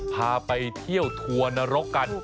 พาไปเที่ยวทัวร์นรกกัน